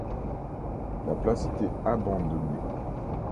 La place était abandonnée.